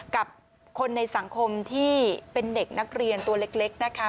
กับคนในสังคมที่เป็นเด็กนักเรียนตัวเล็กนะคะ